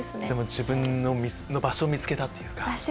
自分の場所を見つけたというか。